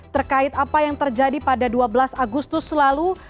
terkait apa yang terjadi pada dua belas agustus lalu